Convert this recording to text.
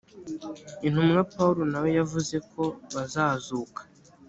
intumwa pawulo na we yavuze ko bazazuka